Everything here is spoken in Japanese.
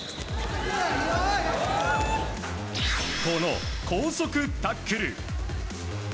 この高速タックル。